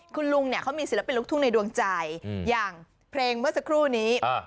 คุณลุงเนี่ยเขามีศิลปินลูกทุ่งในดวงใจอย่างเพลงเมื่อสักครู่นี้